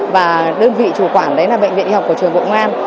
và đơn vị chủ quản đấy là bệnh viện y học của trường bộ công an